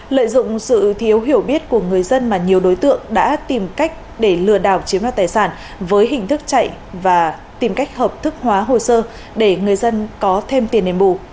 lợi dụng sự thiếu hiểu biết của người dân mà nhiều đối tượng đã tìm cách để lừa đảo chiếm đoạt tài sản với hình thức chạy và tìm cách hợp thức hóa hồ sơ để người dân có thêm tiền đền bù